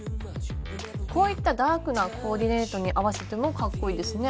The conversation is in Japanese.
こういったダークなコーディネートに合わせてもかっこいいですね。